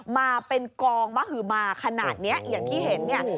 มาเป็นกองมหือมาขนาดนี้อย่างที่เห็นเนี่ย